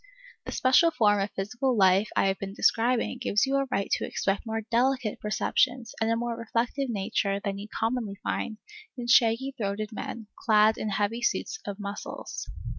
The special form of physical life I have been describing gives you a right to expect more delicate perceptions and a more reflective, nature than you commonly find in shaggy throated men, clad in heavy suits of muscles.